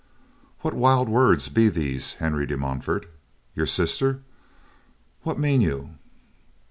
"What wild words be these, Henry de Montfort? Your sister! What mean you?"